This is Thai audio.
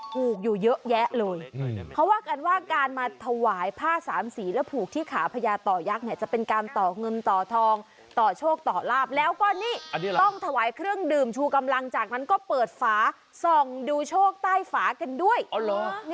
เพราะทุษฐาวิค่าเอามาดูเรื่องนี้ก่อน